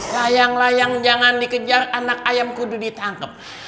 layang layang jangan dikejar anak ayam kudu ditangkap